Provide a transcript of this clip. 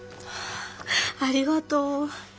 ありがとう。